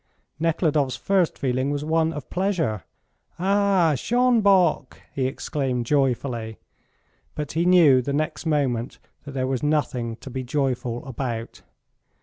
Nekhludoff's first feeling was one of pleasure. "Ah, Schonbock!" he exclaimed joyfully; but he knew the next moment that there was nothing to be joyful about.